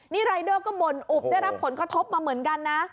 นี่รายเดอร์ก็บ่นอุบได้รับผลกระทบมาเหมือนกันนะ